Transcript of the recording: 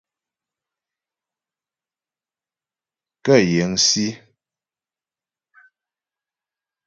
Kə yiŋsǐ.